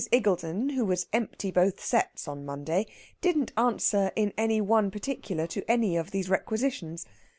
Iggulden, who was empty both sets on Monday, didn't answer in any one particular to any of these requisitions.